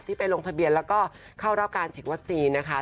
ไปลงทะเบียนแล้วก็เข้ารับการฉีดวัคซีนนะคะ